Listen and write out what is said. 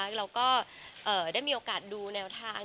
เราก็ได้มีโอกาสดูแนวทาง